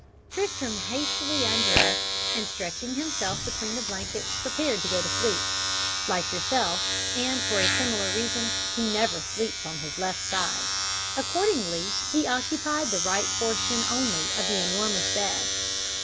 "Tristram hastily undressed, and stretching himself between the blankets, prepared to go to sleep. Like yourself, and for a similar reason, he never sleeps on his left side. Accordingly he occupied the right portion only of the enormous bed.